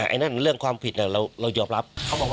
อันนั้นเรื่องความผิดเรายอมรับ